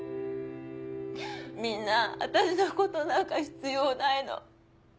みんな私のことなんか必要ないの。